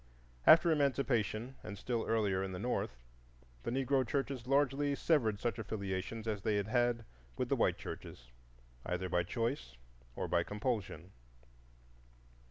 After Emancipation, and still earlier in the North, the Negro churches largely severed such affiliations as they had had with the white churches, either by choice or by compulsion.